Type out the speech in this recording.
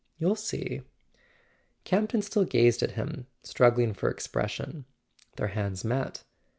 You'll see." Campton still gazed at him, struggling for expres¬ sion. Their hands met.